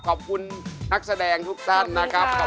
ก็คิดว่าไม่คิดว่า